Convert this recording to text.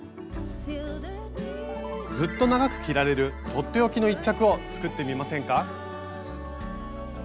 ずっと長く着られるとっておきの１着を作ってみませんか？